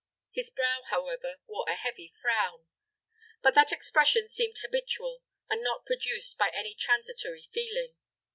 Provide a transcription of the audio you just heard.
His brow, however, wore a heavy frown; but that expression seemed habitual, and not produced by any transitory feeling.